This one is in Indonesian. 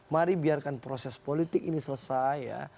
mari biarkan proses politik ini selesai ya